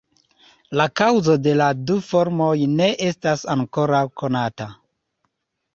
La kaŭzo de la du formoj ne estas ankoraŭ konata.